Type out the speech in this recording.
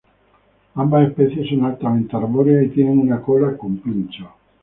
Ambas especies son altamente arbóreas y tienen una cola con pinchos.